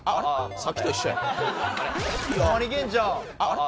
さっきと一緒や。